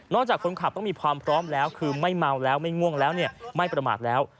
จากคนขับต้องมีความพร้อมแล้วคือไม่เมาแล้วไม่ง่วงแล้วไม่ประมาทแล้ว